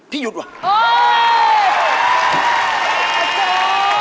พี่หยุดก่อนโอ้โฮ